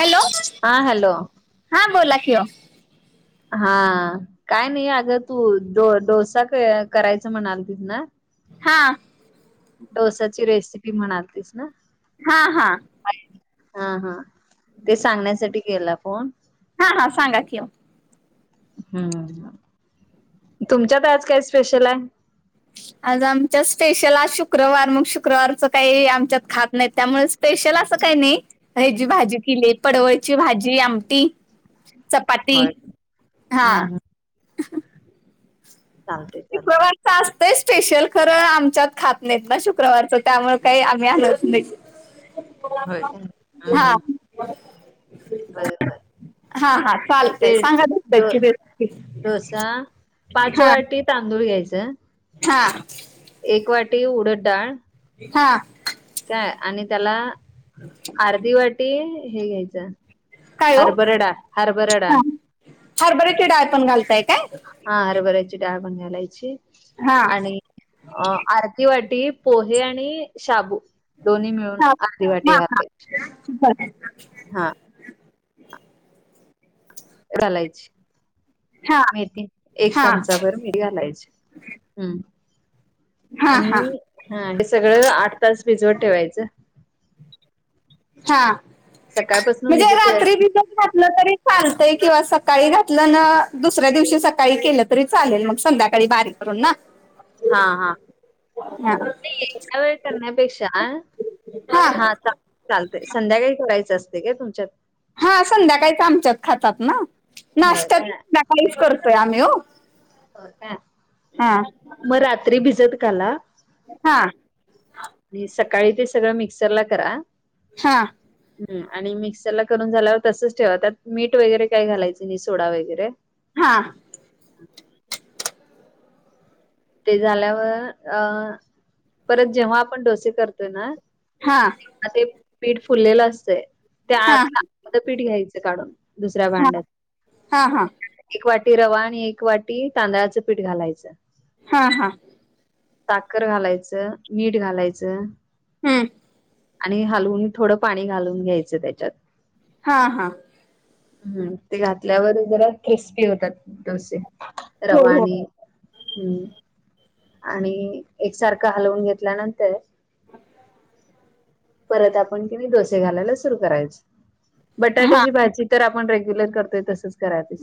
Hello हा hello हा बोला खिओ हा काय नाही अगं तूडो डोसा करायचा म्हणाल तस ना हां डोसाची रेसिपी म्हणालीस ना हा हा हा हा ते सांगण्यासाठी गेला फोन हा हां सांगा कि हम्म तुमच्यात आज काय स्पेशल आहे आज आमच्या स्पेशल आज शुक्रवार मग शुक्रवारच काही आमच्यात खात नाही त्यामुळेच स्पेशल असं काही नाही हची भाजी केली पडवळची भाजी आमटी चपाती होय हां हम्म हम्म चालते चालते जास्तय स्पेशल खरं आमच्यात खात नाहीत ना शुक्रवारचं त्यामुळे काही आम्ही आलत नाही होय हा बाय बाय हा हा ते चालतंय सांगा धोत्याची रेसिपी डोसा पाच हा वाटी तांदूळ घ्यायचं हा एक वाटी उडद डाळ हा काय आणि त्याला अच्छ अर्धी वाटी हे घ्यायचं काय ओ हरभरडा हरभरडा हरभरचीि डाळ पण घालताय काय हा हरभरायची डाबण घालायची हा आणि अ आरती वाटी पोहे आणि शाबू दोन्ही मिळून हा आी वाटी हा हा वले [inaudible] हा घालायची हा मेथी एक हा चमचा भर मी घालायची हम् हा हा आणि हा हे सगळं आठ तास भिजवत ठेवायचं हा सकाळपासून म्हणजे भिजत रात्री ठेवायचं बर घातलं तरी चालतय किंवा सकाळी घातलं ना दुसऱ्या दिवशी सकाळी केलं तरी चालेल मग संध्याकाळी बारीक करून ना हा हा हा नाही एका वेळ करण्यापेक्षा हा चालतेय संध्याकाळी करायचं असते काय तुमच्यात हा संध्याकाळीच आमच्यात खातात ना होय नाश्ता त काय संध्याकाळीच करतोय आम्ही हो का हा मग रात्री भिजत काला हा आणि सकाळी ते सगळं मिक्सरला करा हा ह आणि मिक्सर ला करून झाल्यावर तसच ठेवा त्यात मीठ वगैरे काय घालायचं नाही सोडा वगैरे हा ते झाल्यावर अ परत जेव्हा आपण डोसे करतोय ना हा आ ते पीठ फुललेलं असतय त्या हा आतला अर्पीठ घ्यायचं काढून दुसऱ्या हा भांड्यात हा हा एक वाटी रवा आणि एक वाटी तांदळाचं पीठ घालायचं हा हा साखर घालायचं मीठ घालायचं. हम्म. आणि हलवून थोडं पाणी घालून घ्यायचं त्याच्यात हा हा. हम्म ते घातल्यावर जरा क्रिस्पी होतात डोसे हो हो रवाणी हम्म. आणि एकसारखं हलवून घेतल्यानंतर मत परत आपण दडोसे घालायला सुरू करायचे हा बटाट्याची भाजी तर आपण रेग्युलर करतोय तसच करा त.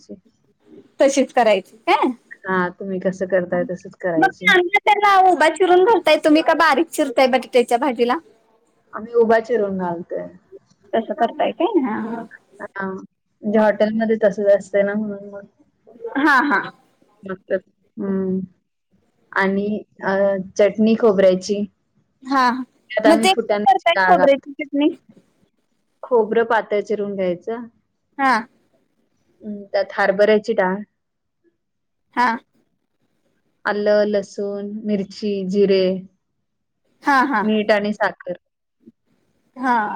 तशीच करायची काय हा तुम्ही कसं करताय तसच करायचे. त्यां उभा चिरून रताय तुम्ही का बारीक चिरताय बटाट्याच्या भाजीला. आमही उभ्या चिरून घालते. तसं करताय काय ह. हा म्हणजे हॉटेलमध्येध्ये तसच असत ना म्हणून मग. हा हा. हम् आणि अ चटणी खोबऱ्याची. हा त्यात मग आम्ही ते कती फुटाण्याची करताय डाळ घालतो. खोबऱ्याची चिटणी. खोबरं पातळ चिरून घ्यायचं. हा. हम् त्यात हारबरायची डाळ. हा. आलं लसूण मिरची जिरे. हा हा मीठ आणि साखर. हा.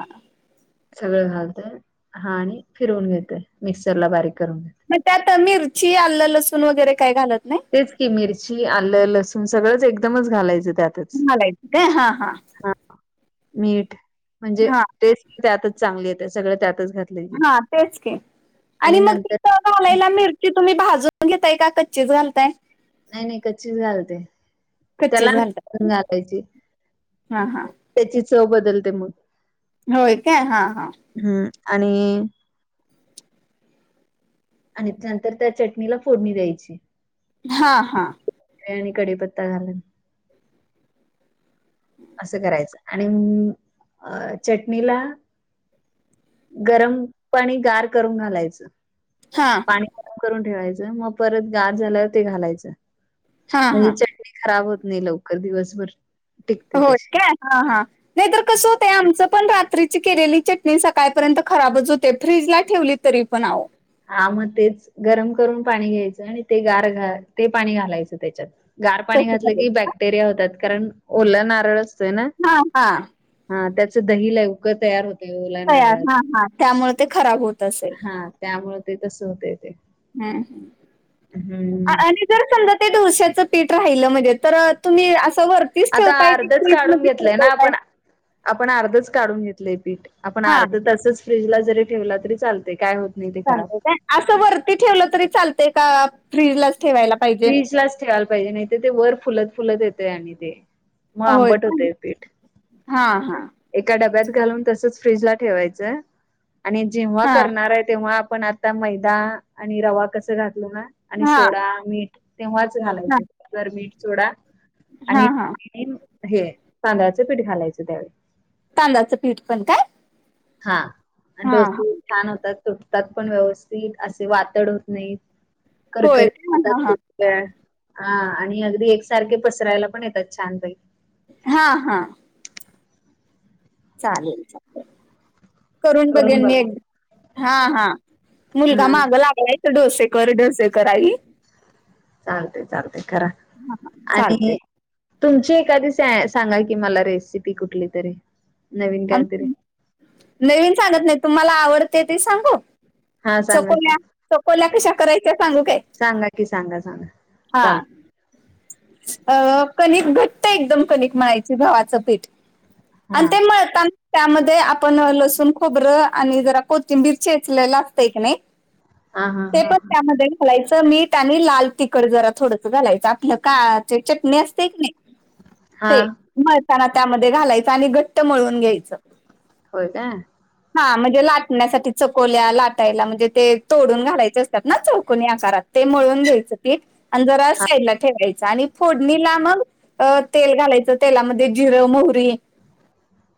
सगळं घालतय हा आणि फिरवून घेतय मिक्सर ला बारीक करून घेत. मग त्यात मिरची आलं लसूण वगैरे काय घालत नाही. तेच की मिरची आलं लसूण सगळंच एकदमच घालायचं त्यात. चमलायत का हा हा. मीठ म्हणजे हा टेस्ट त्यातच चांगली येते सगळ त्यातच घात. हा तेच के आणि मग ति. नंतर घलायला मिरची तुम्ही भाजून घेतताय का कच्चीच घाताय. नाही नाही क्चीच घालते त्याला कच्चीच घालताय घालायची. हा हा त्याची चव बदलते मग. होय काय हा हा. हम्म आणि. आणि नंतर त्या चटणीला फोडणी द्यायची हा हा. आणि कडी पत्ता घालण. असं करायचं आणि चटणीला. गरम पाणी गार करून घालायचं. हा. ठे मग परत ग झा ते घालायच हा हा म्हण. खराब होत नाही लवकर दिवसभर. टिकते होत तशी का हा हा. नाहीतर कसं होतय आमचं पण रात्रीची केलेली चटणी सकाळपर्यंत खराबच होते फ्रीजला ठेवली. तरी पण आवो. हा मग तेच गरम करून पाणी घ्यायचं आणि ते गार घ ते पाणी घालायचं त्याच्यात. गार पाणी तसं घातलं झालं. की बॅक्टेरिया होतात कारण ओल नारळ असतोय ना. हा हा हा त्याचं दही लवकर तयार होत. तयार हा हा त्यामुळे ते खराब होत असेल हा त्यामुळे ते तस होत ते हम्म हम्म हम्म आणि जर समजा ते डरशाचं पीठ राहिलं म्हणजे तर तुम्ही असं भर तीच आता ठेवता अर्धच या काढून मध्येच ठेव घेतलंय ना पा आपण आपण अर्धच काढून घेतलंय पीठ आपण हा अर्ध तसच फ्रीज ला जरी ठेवला तरी लते काय होत नाही ते खराब चालत काय असं वरती ठेवलं तरी चालतय का फ्रीजलाच ठेवायला पाहिजे फ्रीज लाच ठेवायला पाहिजे नाही तर ते वर फुलत फुलत येते आणि ते मग होय आंबट का होते पीठ हा हा एका डब्यात घालून तसच फ्रीज ला ठेवायचं आणि जेव्हा हा करणार आहे तेव्हा आपण आ हा तेव्हाच हा घालायचं तर मीठ सोडा हा आणि हा हे तांदळाचं पीठ घालायचं त्यावेळी तांदळाचं पीठ पण काय हा आणि हा दो हा छान होतात तुटतात पण व्यवस्थित असे वाातड होत नाही होय करकरी खात का? हा हा हा आणि अगदी एकसारखे पसरायला पण येतात छान पैकी हा हा चालेल चालेल. करून करून बघेन मी बघा. एकदा हा हा मुलगा हा माग लागलाय डोसे चालते चालते करा हा आणि चालते तुमची एखादी स सांगा की मला रेसिपी कुठली तरी नवी आणि नवीन सांणत नाही तुम्हाला आवडते ते सांगू हा सांगा की चकोल्या चकोल्या कशा सांगा सांगा सांगा. हा चालत कणिक घट्ट एकदम कणिक म्हणायची गव्हाचं पीठ हा. आणि ते मळताना त्यामध्ये आपण लसूण खोबरं आणि जरा कोथिंबीर चेचलेलं असतं की नाही. हा हा ते हा पण हा त्यामध्ये चटणी असते की नाही हा ते मळताना त्यामध्ये घालायच आणि घट्ट मळून घ्यायचं. होय का हा म्हणजे लाटण्यासाठी चकोल्या लाटायला म्हणजे ते तोडून घालायचे असतात ना चौकोनी आकारात ते मळून घ्यायचं तीठ आणि जरा हा साइडला ठेवायचं. आणि फोडणीला मग तेल घालायचं तेलामध्ये जिरं मोहरी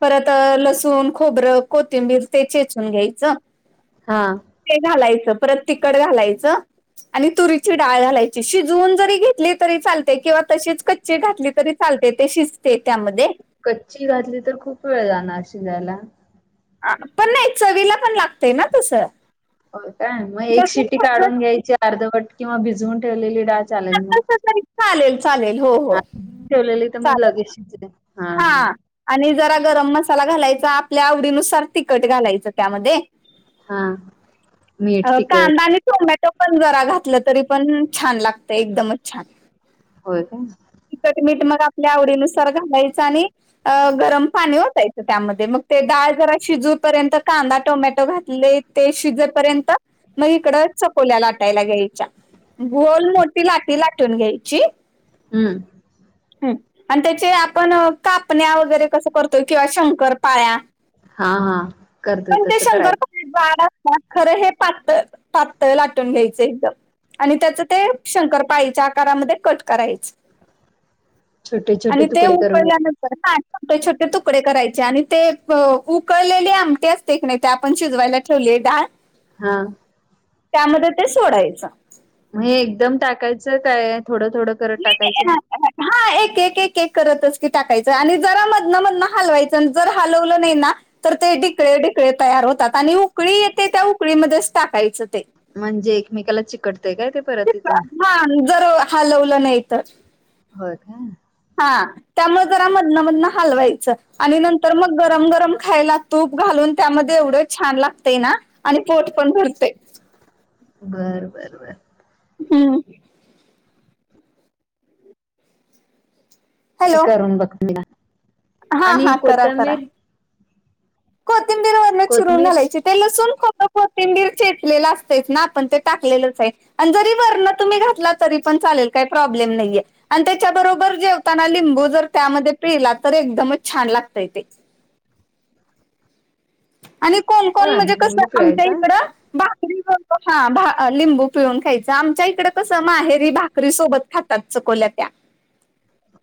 परत लसूण खोबरं कोथिंबीर ते चेचून घ्यायचं. हा ते घालायचं परत तिकट घालायचं. आणि तुरीची डाळ घालायची शिजवून जरी घेतली. तरी चालते किंवा तशीच कच्ची घातली तरी चालते ते शिजते त्यामध्ये कच्ची घातली. पण नाही चवीला पण लागते ना तसं हो काय मग एक लसूण शिटी खोबरं मग. तसं चालेल चालेल हो हा ठेवलेली तर मग लगेच शिजते हा हा. आणि जरा गरम मसाला घालायचा आपल्या आवडीनुसार हा अ मीठ तिखट कांदा नी टोमॅटो पण जरा घातलं तरी पण छान लागत एकदमच छान होय काय तिकट मीट मग आपल्या आवडीनुसार अ गरम पाणी ओतायचं. ते शिजेपर्यंत मग इकडं चकोल्या लाटायला घ्यायच्या गोल मोठी लाटी लाटून घ्यायची. हम्म हम्म. आणि त्याचे आपण हा हा पण ते करतोय. शंकरपाळ्या जाड असतात खरं हे पातळ पातळ लाटून शंकर पाळीच्या आकारामध्ये कट करायच छोटे-छोटे आणि ते तुकडे करून घे उकळल्यानंतर, हा छोटे छोटे तुकडे करायचे आणि ते उकळलेली आमटी नाही आपण शिजवायलाेवली डाळ हा त्यामध्ये ते सोडायचं हे एकदम टाकायचं काय थोडं थोडं करत टाकायचं हा एक एक एक करतच की टाकायचं आणि जरा मधनं मधन हलवायचं जर हलवलं नाही ना तर ते ढिकळे ढिकळे तयार होतात आणि उकळी येते त्या उकळीमध्येच टाकायचं ते म्हणजे एकमेकाला चिकटतय काय ते परत इिथं हा जर हालवलं नाही तर हो का हा त्यामुळे जरा मधन मधनं हलवायचं आणि नंतर मग गरम गरम खायला तूप घालून त्यामध्ये एवढं छान लागते ना आणि पोट पण भरते बर बर बर हम्म क हॅलो करून बघते ना हा आणि हा करा करा कोथंबीर कोथिंबीर वरणात चिरून कोथंबीर? घालायची ते लसूून खोतं कोतिंबीर चेचलेलं असत ना आपण ते टाकलेलंच आहे आणि जरी वर्ण तुम्ही घातला तरी पण चालेल काही प्रॉब्लेम नाहीये आणि त्याच्याबरोबर जेवताना लिंबू जर त्यामध्ये पिला तर एकदमच छान लागतय ते आणि कोण कोण होय, म्हणजे कसं लिंबू आमच्या पिळायचा? इकडं बा [inaudible] हा भा लिंबू पिळून खायचं आमच्या इकडे तसं माहेरी भाकरी सोबत खातात चकोल्या त्या ह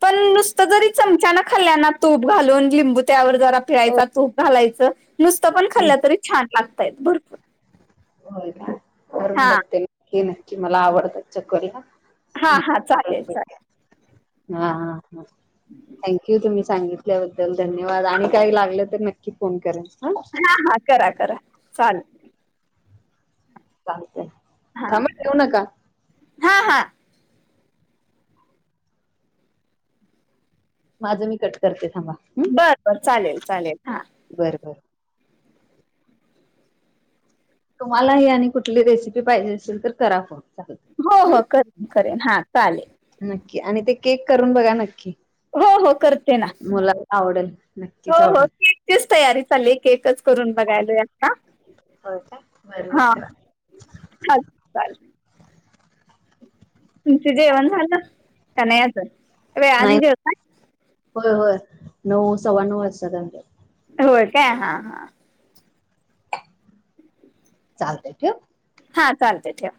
पण नुसतं जरी चमच्यान खाल्ल्या ना तूट घालून लिंबू त्यावर जिय होय. चूप घालायच नुसत पण हं. खाल्ल्या तरी छान लागतयत भरपू हो ना कररून हा बघते हे नक्की मला आवडतात चकोरीला हा हा चालेल चालेल हा हा थँक्यू तुम्ही सांगितल्याबद्दल धन्यवाद आणि काही लागलं तर नक्की फोन करेन ह हा हा करा करा चाल चालत थांबत ठेऊ नका हा हा माझं मी कट करते थांबा हम्म बर बर चालेल चालेल हा बर बर तुम्हालाही आणि कुठली रेसिपी पाहिजे असेल तर करा फोन हो चालतंय हो हम्म करेन करेन हा चालेल नक्की आणि ते केक करून बघा नक्की हो हो करते ना मुलाला आवडेल हो नक्कीच हो आवडेल केकचीच तयारी चालली आहे केकच करून बघायल याता हो का बरब का स अ तुमच जेवण झालं का नाही याच वे आण नाही घे होता होय होय नऊ सव्वा नऊ वाजता जा होय काय हा हा चालतय ठे हा चालते ठेवा